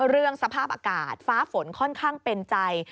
เรื่องสภาพอากาศฟ้าฝนค่อนข้างเป็นใจ